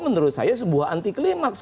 menurut saya sebuah anti klimaks